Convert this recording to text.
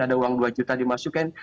ada uang rp dua dimasukin